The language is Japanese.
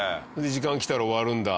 時間きたら終わるんだ。